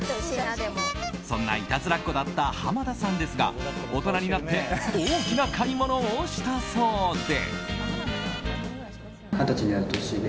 そんないたずらっ子だった濱田さんですが大人になって大きな買い物をしたそうで。